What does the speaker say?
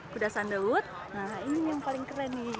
kuda sandalwood nah ini yang paling keren nih